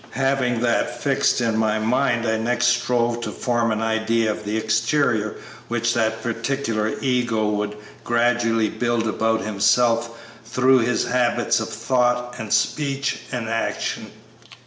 Having that fixed in my mind I next strove to form an idea of the exterior which that particular 'ego' would gradually build about himself through his habits of thought and speech and action.